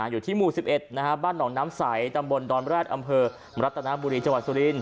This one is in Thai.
อยู่ที่หมู่๑๑บ้านหนองน้ำใสตำบลดอนแร็ดอำเภอรัตนบุรีจังหวัดสุรินท